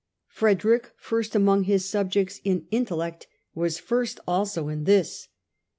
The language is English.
Frederick, first among his subjects in intellect, was first 122 STUPOR MUNDI also in this.